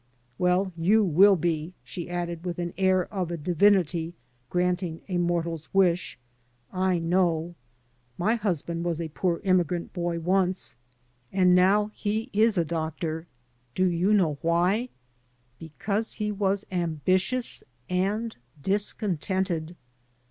Well, you will be," she added, with the air of a divinity granting a mortal's wish, "I know. My hus band was a poor inmiigrant boy once, and now he is a ISO THE ETHICS OP THE BAR doctor. Do you know why? Because he was ambi tious and discontented."